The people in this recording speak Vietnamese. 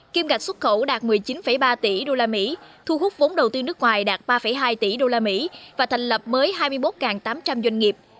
kim gạch xuất khẩu đạt một mươi chín ba tỷ usd thu hút vốn đầu tư nước ngoài đạt ba hai tỷ usd và thành lập mới hai mươi một tám trăm linh doanh nghiệp